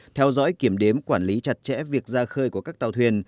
theo dõi kiểm đếm quản lý chặt chẽ việc ra khơi của các tàu thuyền